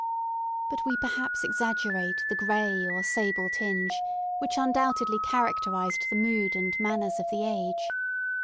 But we perhaps exaggerate the gray or sable tinge, which undoubtedly characterized the mood and manners of the age.